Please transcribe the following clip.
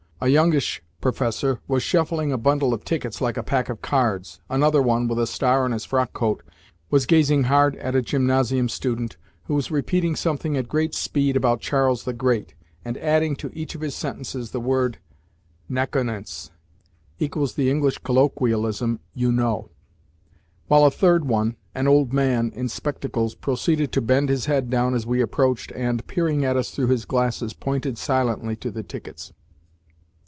A youngish professor was shuffling a bundle of tickets like a pack of cards; another one, with a star on his frockcoat, was gazing hard at a gymnasium student, who was repeating something at great speed about Charles the Great, and adding to each of his sentences the word nakonetz [= the English colloquialism "you know."] while a third one an old man in spectacles proceeded to bend his head down as we approached, and, peering at us through his glasses, pointed silently to the tickets.